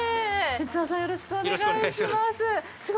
藤沢さん、よろしくお願いします。